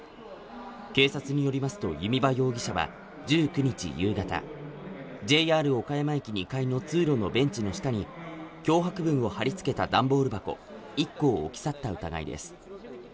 警察によりますと弓場容疑者は１９日夕方、ＪＲ岡山駅２階の通路のベンチの下に脅迫文を貼り付けたダンボール箱１個を置き去った疑いです。